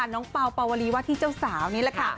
น้องเปล่าเปล่าวลีวาธิเจ้าสาวนี้แหละค่ะ